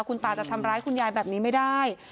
คุณตาจะทำร้ายคุณยายแบบนี้ไม่ได้